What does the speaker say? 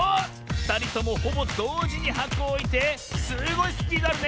ふたりともほぼどうじにはこをおいてすごいスピードあるね！